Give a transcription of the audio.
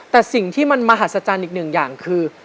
แต่สิ่งที่มันมหัศจรรย์อีกหนึ่งอย่างคือ